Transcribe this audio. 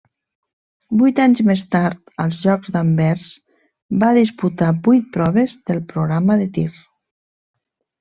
Vuit anys més tard, als Jocs d'Anvers, va disputar vuit proves del programa de tir.